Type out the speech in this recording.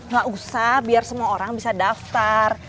gak usah biar semua orang bisa daftar